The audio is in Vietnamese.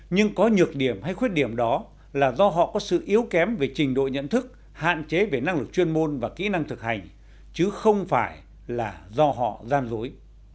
nhưng có nhược điểm hay khuyết điểm đó là do họ có sự yếu kém về trình độ nhận thức hạn chế về năng lực chuyên môn và kỹ năng thực hành chứ không phải là do họ gian dối